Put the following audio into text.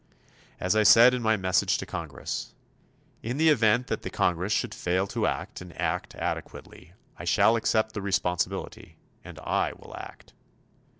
As I said in my message to the Congress: In the event that the Congress should fail to act, and act adequately, I shall accept the responsibility, and I will act.